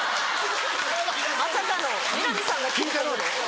まさかの南さんが聞いてる。